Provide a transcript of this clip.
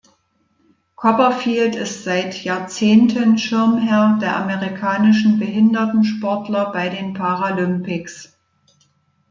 Copperfield ist seit Jahrzehnten Schirmherr der amerikanischen Behindertensportler bei den Paralympics.